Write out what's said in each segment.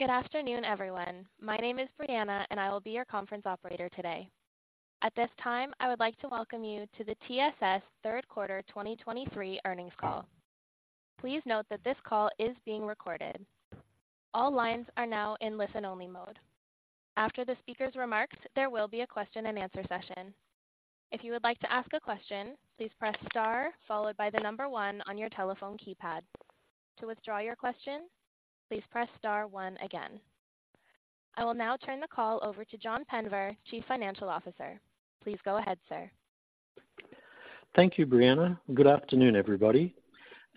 Good afternoon, everyone. My name is Brianna, and I will be your conference operator today. At this time, I would like to welcome you to the TSS third quarter 2023 earnings call. Please note that this call is being recorded. All lines are now in listen-only mode. After the speaker's remarks, there will be a question-and-answer session. If you would like to ask a question, please press star followed by the number one on your telephone keypad. To withdraw your question, please press star one again. I will now turn the call over to John Penver, Chief Financial Officer. Please go ahead, sir. Thank you, Brianna. Good afternoon, everybody.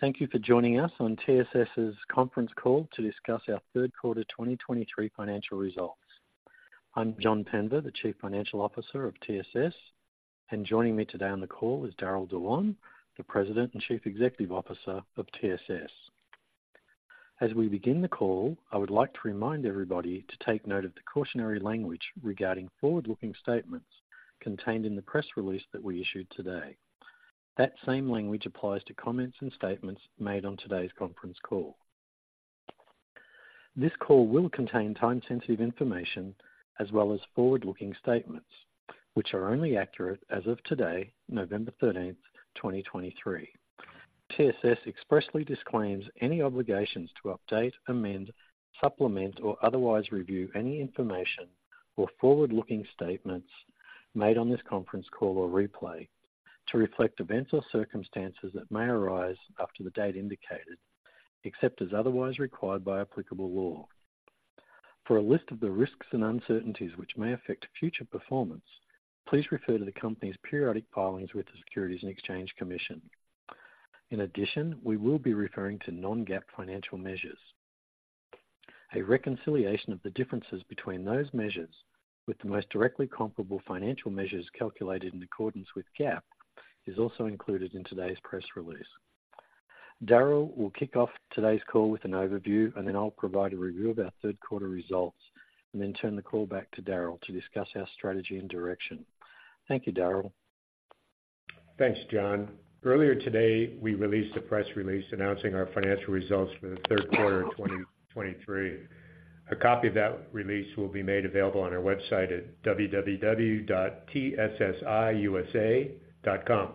Thank you for joining us on TSS's conference call to discuss our third quarter 2023 financial results. I'm John Penver, the Chief Financial Officer of TSS, and joining me today on the call is Darryll Dewan, the President and Chief Executive Officer of TSS. As we begin the call, I would like to remind everybody to take note of the cautionary language regarding forward-looking statements contained in the press release that we issued today. That same language applies to comments and statements made on today's conference call. This call will contain time-sensitive information as well as forward-looking statements, which are only accurate as of today, November 13, 2023. TSS expressly disclaims any obligations to update, amend, supplement, or otherwise review any information or forward-looking statements made on this conference call or replay to reflect events or circumstances that may arise after the date indicated, except as otherwise required by applicable law. For a list of the risks and uncertainties which may affect future performance, please refer to the company's periodic filings with the Securities and Exchange Commission. In addition, we will be referring to non-GAAP financial measures. A reconciliation of the differences between those measures with the most directly comparable financial measures calculated in accordance with GAAP is also included in today's press release. Darryll will kick off today's call with an overview, and then I'll provide a review of our third quarter results and then turn the call back to Darryll to discuss our strategy and direction. Thank you, Darryll. Thanks, John. Earlier today, we released a press release announcing our financial results for the third quarter of 2023. A copy of that release will be made available on our website at www.tssiusa.com.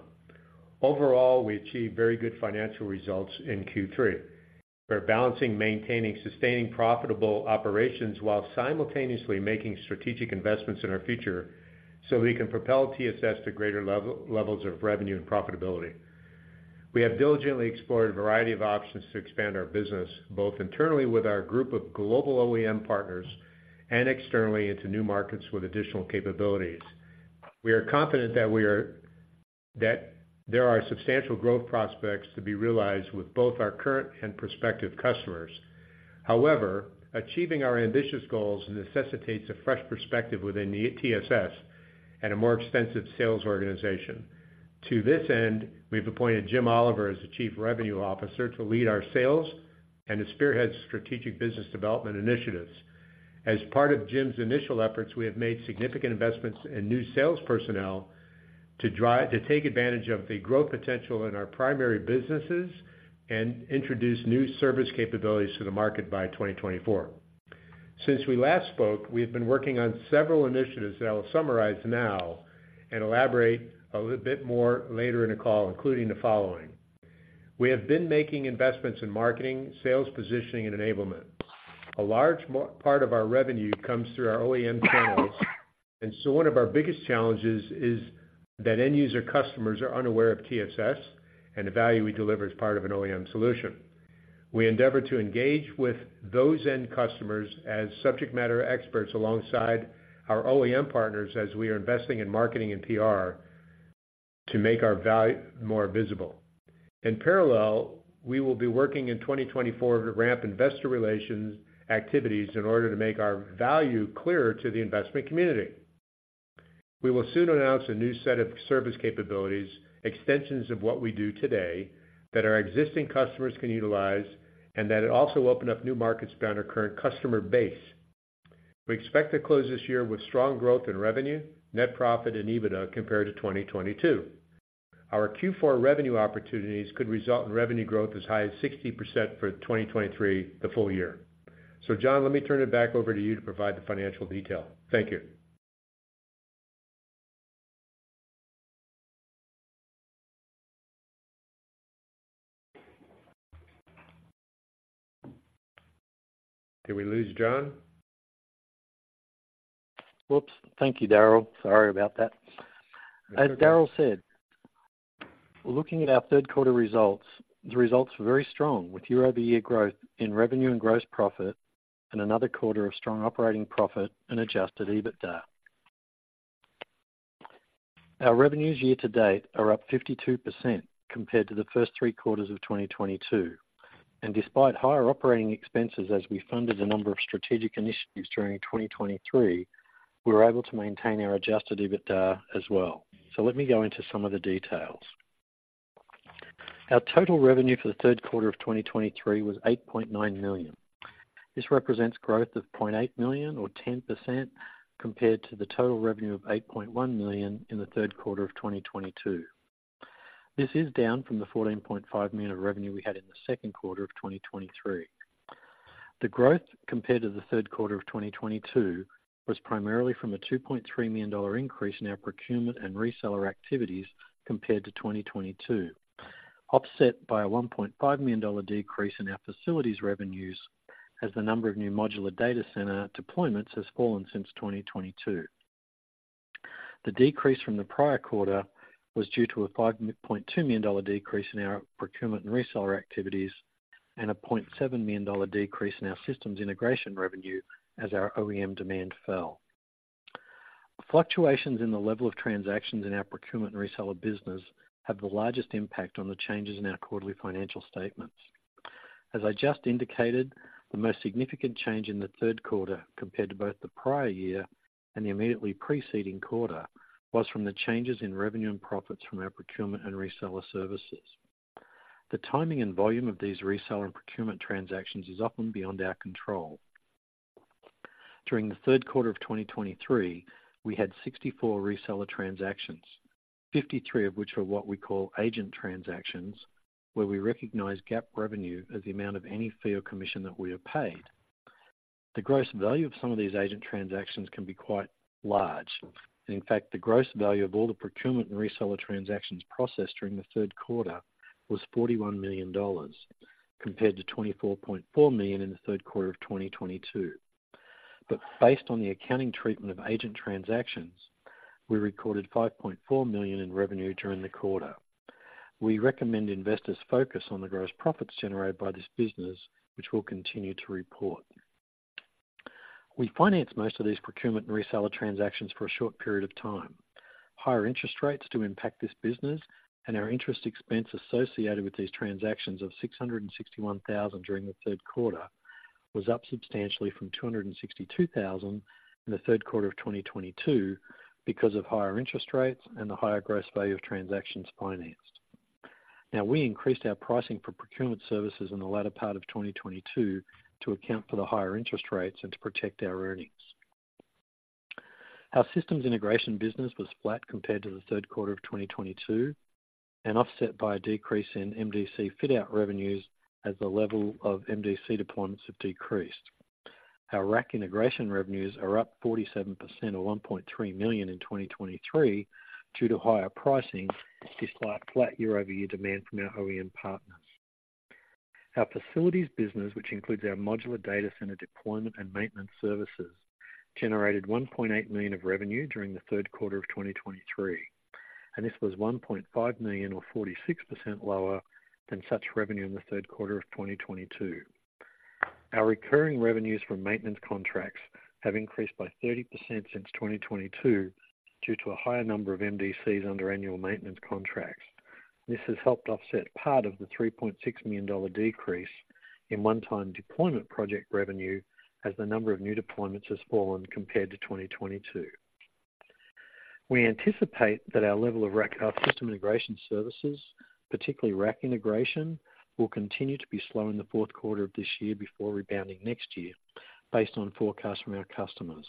Overall, we achieved very good financial results in Q3. We're balancing, maintaining, sustaining profitable operations while simultaneously making strategic investments in our future so we can propel TSS to greater levels of revenue and profitability. We have diligently explored a variety of options to expand our business, both internally with our group of global OEM partners and externally into new markets with additional capabilities. We are confident that there are substantial growth prospects to be realized with both our current and prospective customers. However, achieving our ambitious goals necessitates a fresh perspective within TSS and a more extensive sales organization. To this end, we've appointed Jim Olivier as the Chief Revenue Officer to lead our sales and to spearhead strategic business development initiatives. As part of Jim's initial efforts, we have made significant investments in new sales personnel to take advantage of the growth potential in our primary businesses and introduce new service capabilities to the market by 2024. Since we last spoke, we have been working on several initiatives that I will summarize now and elaborate a little bit more later in the call, including the following. We have been making investments in marketing, sales, positioning, and enablement. A large part of our revenue comes through our OEM channels, and so one of our biggest challenges is that end-user customers are unaware of TSS and the value we deliver as part of an OEM solution. We endeavor to engage with those end customers as subject matter experts alongside our OEM partners, as we are investing in marketing and PR to make our value more visible. In parallel, we will be working in 2024 to ramp investor relations activities in order to make our value clearer to the investment community. We will soon announce a new set of service capabilities, extensions of what we do today, that our existing customers can utilize and that it also open up new markets beyond our current customer base. We expect to close this year with strong growth in revenue, net profit, and EBITDA compared to 2022. Our Q4 revenue opportunities could result in revenue growth as high as 60% for 2023, the full year. So John, let me turn it back over to you to provide the financial detail. Thank you. Did we lose John? Whoops! Thank you, Darryll. Sorry about that. That's okay. As Darryll said, looking at our third quarter results, the results were very strong, with year-over-year growth in revenue and gross profit and another quarter of strong operating profit and adjusted EBITDA. Our revenues year to date are up 52% compared to the first three quarters of 2022, and despite higher operating expenses as we funded a number of strategic initiatives during 2023, we were able to maintain our adjusted EBITDA as well. Let me go into some of the details. Our total revenue for the third quarter of 2023 was $8.9 million. This represents growth of $0.8 million, or 10%, compared to the total revenue of $8.1 million in the third quarter of 2022... This is down from the $14.5 million of revenue we had in the second quarter of 2023. The growth compared to the third quarter of 2022 was primarily from a $2.3 million increase in our procurement and reseller activities compared to 2022, offset by a $1.5 million decrease in our facilities revenues, as the number of new modular data center deployments has fallen since 2022. The decrease from the prior quarter was due to a $5.2 million decrease in our procurement and reseller activities, and a $0.7 million decrease in our systems integration revenue as our OEM demand fell. Fluctuations in the level of transactions in our procurement and reseller business have the largest impact on the changes in our quarterly financial statements. As I just indicated, the most significant change in the third quarter, compared to both the prior year and the immediately preceding quarter, was from the changes in revenue and profits from our procurement and reseller services. The timing and volume of these reseller and procurement transactions is often beyond our control. During the third quarter of 2023, we had 64 reseller transactions, 53 of which were what we call agent transactions, where we recognize GAAP revenue as the amount of any fee or commission that we have paid. The gross value of some of these agent transactions can be quite large. In fact, the gross value of all the procurement and reseller transactions processed during the third quarter was $41 million, compared to $24.4 million in the third quarter of 2022. But based on the accounting treatment of agent transactions, we recorded $5.4 million in revenue during the quarter. We recommend investors focus on the gross profits generated by this business, which we'll continue to report. We finance most of these procurement and reseller transactions for a short period of time. Higher interest rates do impact this business, and our interest expense associated with these transactions of $661,000 during the third quarter, was up substantially from $262,000 in the third quarter of 2022, because of higher interest rates and the higher gross value of transactions financed. Now, we increased our pricing for procurement services in the latter part of 2022 to account for the higher interest rates and to protect our earnings. Our systems integration business was flat compared to the third quarter of 2022, and offset by a decrease in MDC fit out revenues as the level of MDC deployments have decreased. Our rack integration revenues are up 47%, or $1.3 million in 2023, due to higher pricing, despite flat year-over-year demand from our OEM partners. Our facilities business, which includes our modular data center deployment and maintenance services, generated $1.8 million of revenue during the third quarter of 2023. This was $1.5 million, or 46% lower than such revenue in the third quarter of 2022. Our recurring revenues from maintenance contracts have increased by 30% since 2022, due to a higher number of MDCs under annual maintenance contracts. This has helped offset part of the $3.6 million decrease in one-time deployment project revenue, as the number of new deployments has fallen compared to 2022. We anticipate that our level of rack integration—our Systems Integration services, particularly rack integration, will continue to be slow in the fourth quarter of this year before rebounding next year, based on forecasts from our customers.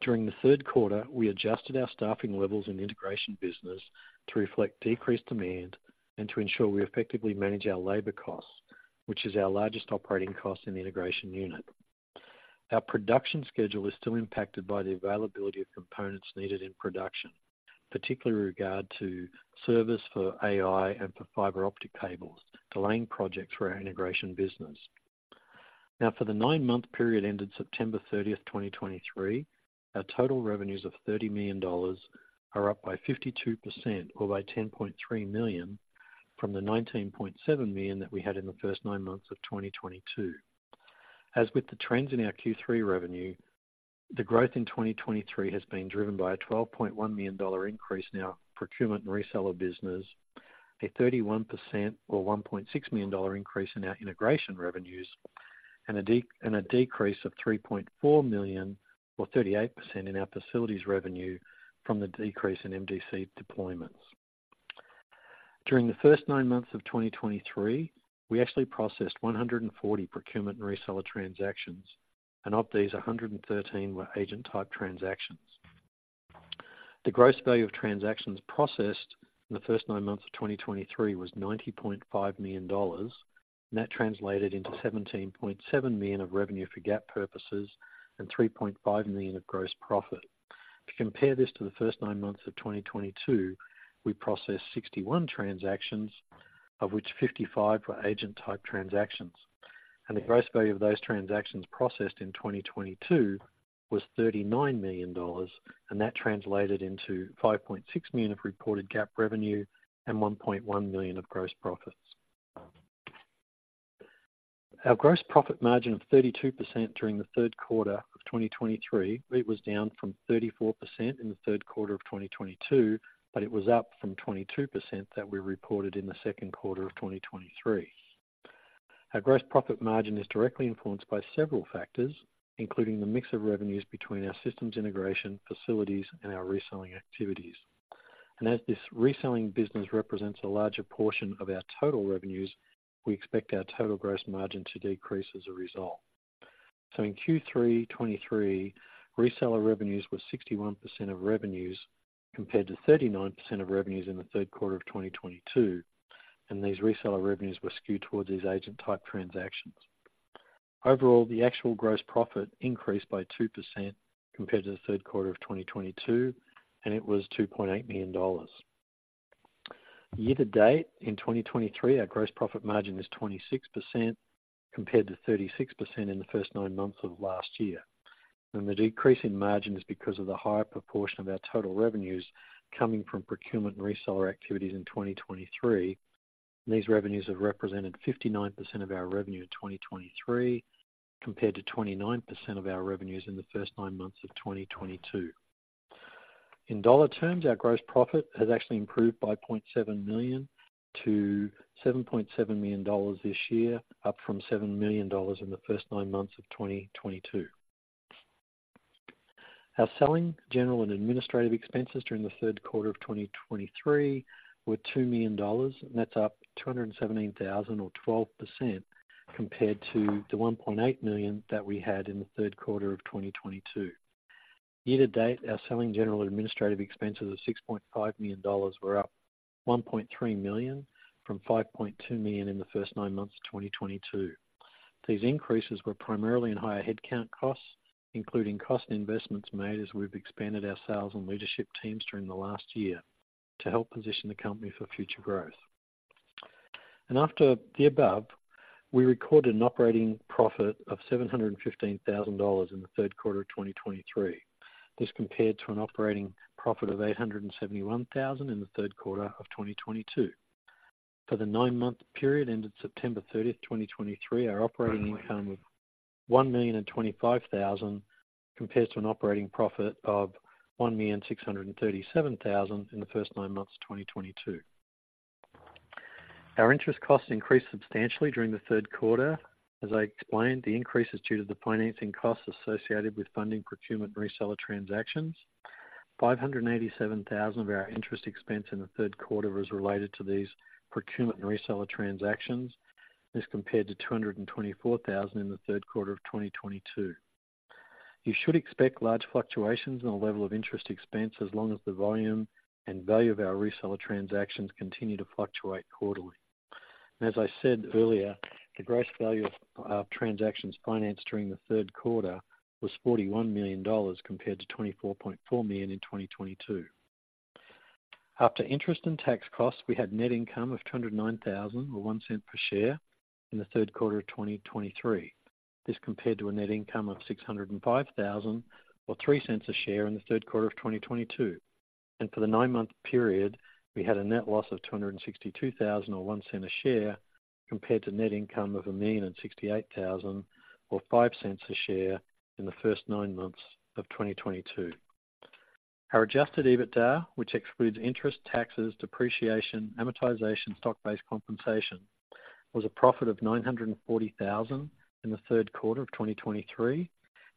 During the third quarter, we adjusted our staffing levels in the integration business to reflect decreased demand and to ensure we effectively manage our labor costs, which is our largest operating cost in the integration unit. Our production schedule is still impacted by the availability of components needed in production, particularly regard to servers for AI and for fiber optic cables, delaying projects for our integration business. Now, for the nine-month period ended September 30, 2023, our total revenues of $30 million are up by 52%, or by $10.3 million, from the $19.7 million that we had in the first nine months of 2022. As with the trends in our Q3 revenue, the growth in 2023 has been driven by a $12.1 million increase in our procurement and reseller business, a 31% or $1.6 million increase in our integration revenues, and a decrease of $3.4 million, or 38% in our facilities revenue from the decrease in MDC deployments. During the first nine months of 2023, we actually processed 140 procurement and reseller transactions, and of these, 113 were agent type transactions. The gross value of transactions processed in the first nine months of 2023 was $90.5 million, and that translated into $17.7 million of revenue for GAAP purposes and $3.5 million of gross profit. To compare this to the first nine months of 2022, we processed 61 transactions, of which 55 were agent type transactions, and the gross value of those transactions processed in 2022 was $39 million, and that translated into $5.6 million of reported GAAP revenue and $1.1 million of gross profits. Our gross profit margin of 32% during the third quarter of 2023. It was down from 34% in the third quarter of 2022, but it was up from 22% that we reported in the second quarter of 2023. Our gross profit margin is directly influenced by several factors, including the mix of revenues between our systems integration facilities and our reselling activities. As this reselling business represents a larger portion of our total revenues, we expect our total gross margin to decrease as a result. In Q3 2023, reseller revenues were 61% of revenues, compared to 39% of revenues in the third quarter of 2022, and these reseller revenues were skewed towards these agent-type transactions. Overall, the actual gross profit increased by 2% compared to the third quarter of 2022, and it was $2.8 million. Year to date, in 2023, our gross profit margin is 26%, compared to 36% in the first nine months of last year. The decrease in margin is because of the higher proportion of our total revenues coming from procurement and reseller activities in 2023. These revenues have represented 59% of our revenue in 2023, compared to 29% of our revenues in the first nine months of 2022. In dollar terms, our gross profit has actually improved by $0.7 million to $7.7 million this year, up from $7 million in the first nine months of 2022. Our selling, general, and administrative expenses during the third quarter of 2023 were $2 million, and that's up $217,000 or 12% compared to the $1.8 million that we had in the third quarter of 2022. Year to date, our selling general administrative expenses of $6.5 million were up $1.3 million from $5.2 million in the first nine months of 2022. These increases were primarily in higher headcount costs, including cost investments made as we've expanded our sales and leadership teams during the last year to help position the company for future growth. After the above, we recorded an operating profit of $715,000 in the third quarter of 2023. This compared to an operating profit of $871,000 in the third quarter of 2022. For the nine-month period ended September 30, 2023, our operating income of $1,025,000 compares to an operating profit of $1,637,000 in the first nine months of 2022. Our interest costs increased substantially during the third quarter. As I explained, the increase is due to the financing costs associated with funding procurement and reseller transactions. $587,000 of our interest expense in the third quarter was related to these procurement and reseller transactions. This compared to $224,000 in the third quarter of 2022. You should expect large fluctuations in the level of interest expense as long as the volume and value of our reseller transactions continue to fluctuate quarterly. And as I said earlier, the gross value of our transactions financed during the third quarter was $41 million, compared to $24.4 million in 2022. After interest and tax costs, we had net income of $209,000, or $0.01 per share in the third quarter of 2023. This compared to a net income of $605,000, or $0.03 a share in the third quarter of 2022. For the nine-month period, we had a net loss of $262,000 or $0.01 a share, compared to net income of $1,068,000 or $0.05 a share in the first nine months of 2022. Our adjusted EBITDA, which excludes interest, taxes, depreciation, amortization, stock-based compensation, was a profit of $940,000 in the third quarter of 2023.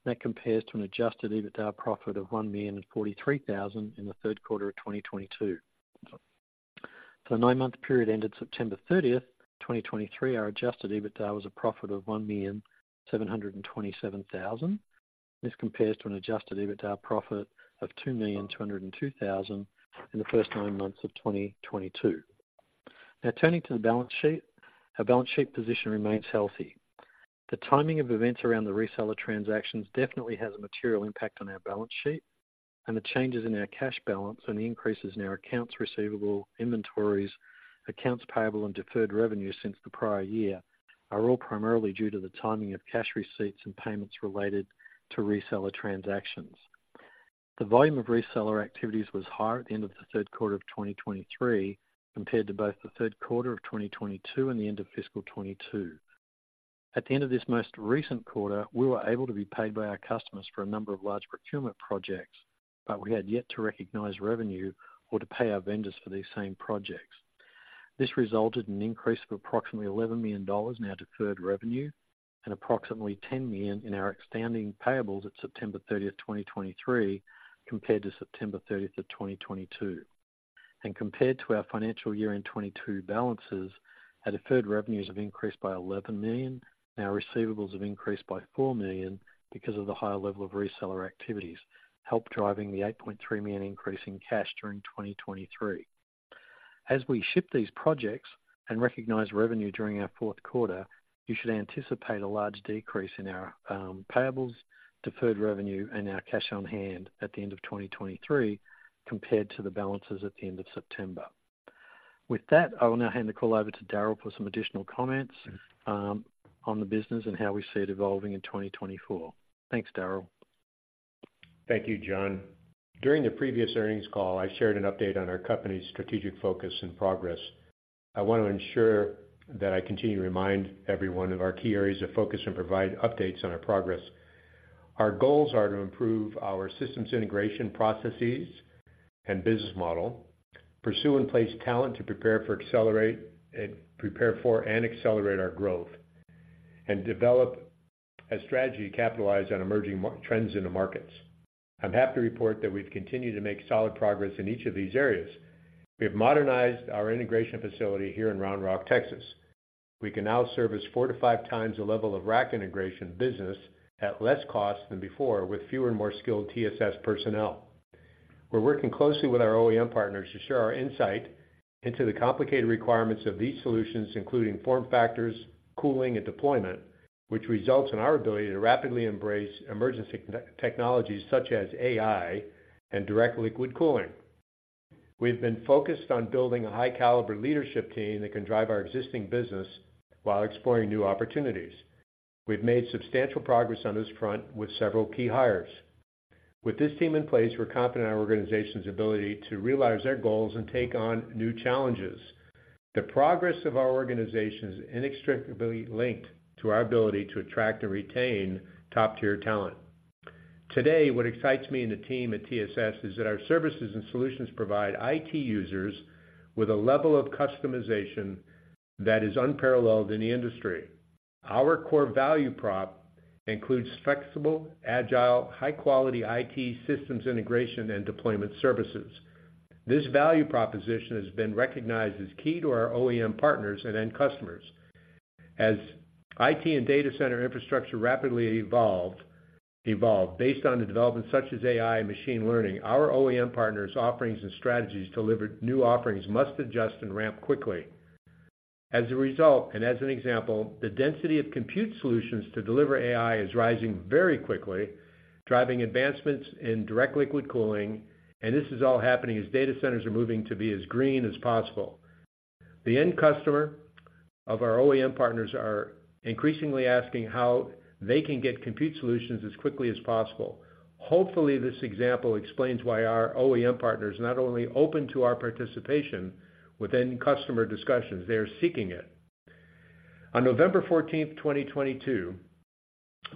That compares to an adjusted EBITDA profit of $1,043,000 in the third quarter of 2022. For the nine-month period ended September 30, 2023, our adjusted EBITDA was a profit of $1,727,000. This compares to an adjusted EBITDA profit of $2,202,000 in the first 9 months of 2022. Now, turning to the balance sheet, our balance sheet position remains healthy. The timing of events around the reseller transactions definitely has a material impact on our balance sheet, and the changes in our cash balance and the increases in our accounts receivable, inventories, accounts payable, and deferred revenue since the prior year, are all primarily due to the timing of cash receipts and payments related to reseller transactions. The volume of reseller activities was higher at the end of the third quarter of 2023, compared to both the third quarter of 2022 and the end of fiscal 2022. At the end of this most recent quarter, we were able to be paid by our customers for a number of large procurement projects, but we had yet to recognize revenue or to pay our vendors for these same projects. This resulted in an increase of approximately $11 million in our deferred revenue and approximately $10 million in our outstanding payables at September 30, 2023, compared to September 30, 2022. Compared to our financial year in 2022 balances, our deferred revenues have increased by $11 million, and our receivables have increased by $4 million because of the higher level of reseller activities, help driving the $8.3 million increase in cash during 2023. As we ship these projects and recognize revenue during our fourth quarter, you should anticipate a large decrease in our payables, deferred revenue, and our cash on hand at the end of 2023 compared to the balances at the end of September. With that, I will now hand the call over to Darryll for some additional comments on the business and how we see it evolving in 2024. Thanks, Darryll. Thank you, John. During the previous earnings call, I shared an update on our company's strategic focus and progress. I want to ensure that I continue to remind everyone of our key areas of focus and provide updates on our progress. Our goals are to improve our systems, integration processes and business model, pursue in place talent to prepare for and accelerate our growth, and develop a strategy to capitalize on emerging market trends in the markets. I'm happy to report that we've continued to make solid progress in each of these areas. We have modernized our integration facility here in Round Rock, Texas. We can now service 4-5 times the level of rack integration business at less cost than before, with fewer and more skilled TSS personnel. We're working closely with our OEM partners to share our insight into the complicated requirements of these solutions, including form factors, cooling, and deployment, which results in our ability to rapidly embrace emerging technologies such as AI and direct liquid cooling. We've been focused on building a high-caliber leadership team that can drive our existing business while exploring new opportunities. We've made substantial progress on this front with several key hires. With this team in place, we're confident in our organization's ability to realize their goals and take on new challenges. The progress of our organization is inextricably linked to our ability to attract and retain top-tier talent. Today, what excites me and the team at TSS is that our services and solutions provide IT users with a level of customization that is unparalleled in the industry. Our core value prop includes flexible, agile, high-quality IT systems integration and deployment services. This value proposition has been recognized as key to our OEM partners and end customers. As IT and data center infrastructure rapidly evolve based on the developments such as AI and machine learning, our OEM partners' offerings and strategies deliver new offerings must adjust and ramp quickly. As a result, and as an example, the density of compute solutions to deliver AI is rising very quickly, driving advancements in direct liquid cooling, and this is all happening as data centers are moving to be as green as possible. The end customer of our OEM partners are increasingly asking how they can get compute solutions as quickly as possible. Hopefully, this example explains why our OEM partners are not only open to our participation with end customer discussions, they are seeking it. On November 14, 2022,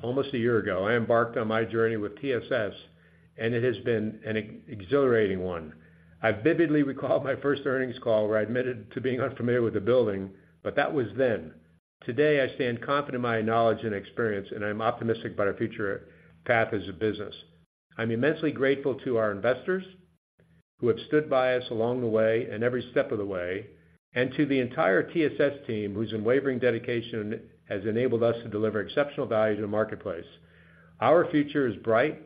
almost a year ago, I embarked on my journey with TSS, and it has been an exhilarating one. I vividly recall my first earnings call, where I admitted to being unfamiliar with the building, but that was then. Today, I stand confident in my knowledge and experience, and I'm optimistic about our future path as a business. I'm immensely grateful to our investors, who have stood by us along the way and every step of the way, and to the entire TSS team, whose unwavering dedication has enabled us to deliver exceptional value to the marketplace. Our future is bright,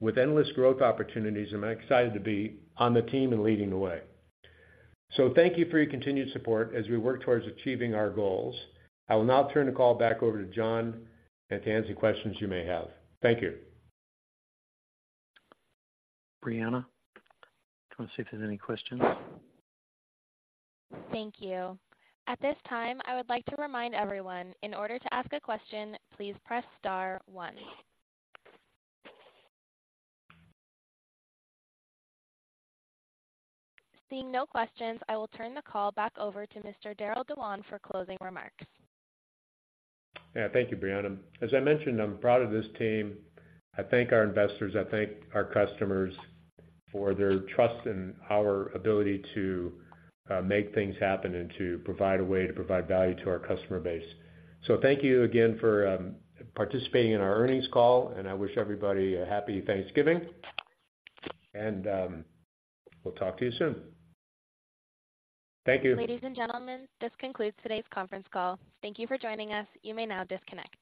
with endless growth opportunities, and I'm excited to be on the team and leading the way. So thank you for your continued support as we work towards achieving our goals. I will now turn the call back over to John and to answer questions you may have. Thank you. Brianna, I want to see if there's any questions. Thank you. At this time, I would like to remind everyone, in order to ask a question, please press star one. Seeing no questions, I will turn the call back over to Mr. Darryll Dewan for closing remarks. Yeah, thank you, Brianna. As I mentioned, I'm proud of this team. I thank our investors, I thank our customers for their trust in our ability to make things happen and to provide a way to provide value to our customer base. So thank you again for participating in our earnings call, and I wish everybody a happy Thanksgiving, and we'll talk to you soon. Thank you. Ladies and gentlemen, this concludes today's conference call. Thank you for joining us. You may now disconnect.